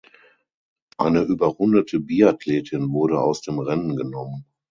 Eine überrundete Biathletin wurde aus dem Rennen genommen.